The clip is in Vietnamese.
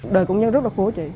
đời công nhân rất là khổ chị